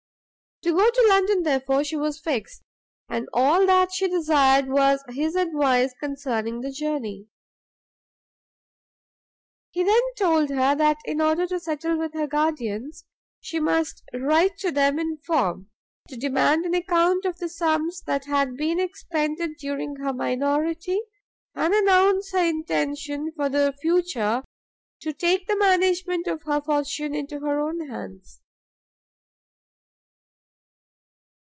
To go to London therefore she was fixed, and all that she desired was his advice concerning the journey. He then told her that in order to settle with her guardians, she must write to them in form, to demand an account of the sums that had been expended during her minority, and announce her intention for the future to take the management of her fortune into her own hands.